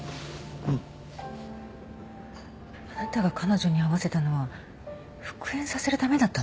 あなたが彼女に会わせたのは復縁させるためだったの？